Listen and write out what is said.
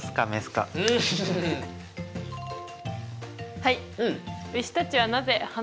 はい。